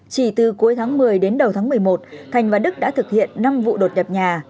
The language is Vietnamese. chỉ từ cuối tháng một mươi đến đầu tháng một mươi một thành và đức đã thực hiện năm vụ đột nhập nhà